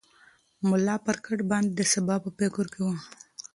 ملا پر کټ باندې د سبا په فکر کې و.